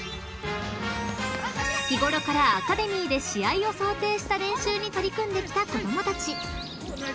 ［日ごろからアカデミーで試合を想定した練習に取り組んできた子供たち］